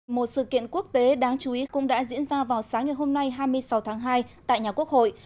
một sự kiện quốc tế đáng chú ý cũng đã diễn ra vào sáng ngày hôm nay hai mươi sáu tháng hai tại nhà quốc hội